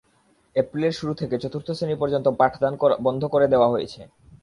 এপ্রিলের শুরু থেকে চতুর্থ শ্রেণি পর্যন্ত পাঠদান বন্ধ করে দেওয়া হয়েছে।